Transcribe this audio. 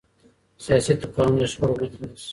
سیاسي تفاهم د شخړو مخه نیسي